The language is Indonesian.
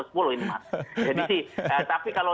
lebih dekat jadi sih tapi kalau